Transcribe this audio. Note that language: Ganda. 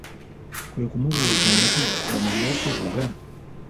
Kwe kumubuuza nti, omanyi okuwuga?